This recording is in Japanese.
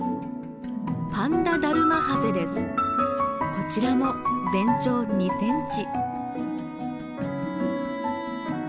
こちらも全長２センチ。